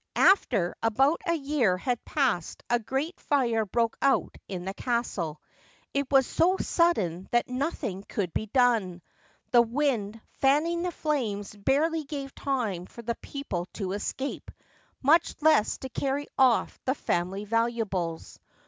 After about a year had passed a great fire broke out in the castle. It was so sudden that nothing could be done. The wind, fanning the flames, barely gave time for the people to escape, much less to carry off the family valuables.